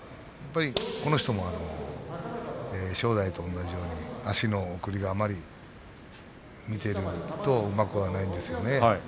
この人も正代と同じように足の送りがあまり見ているとうまくはないんですよね。